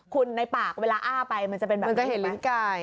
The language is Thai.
คุณในปากเวลาอ้าไปมันจะเป็นแบบนี้ไหมมันก็เห็นลิ้นไก่